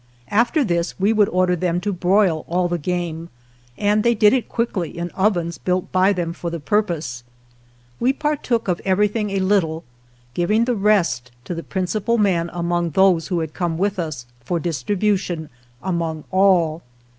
After this we would order them to broil all the game, and they did it quickly in ovens built by them for the purpose. We partook of everything a little, giving the rest to the principal man among those who had come with us for dis tribution among all.